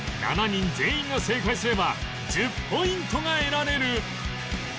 ７人全員が正解すれば１０ポイントが得られる